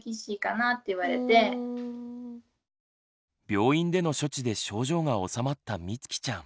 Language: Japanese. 病院での処置で症状が治まったみつきちゃん。